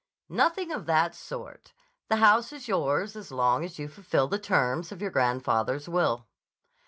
"Nothing of that sort. The house is yours as long as you fulfill the terms of your grandfather's will."